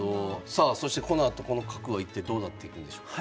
さあそしてこのあとこの角は一体どうなっていくんでしょうか。